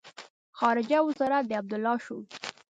خارجه وزارت د عبدالله شو.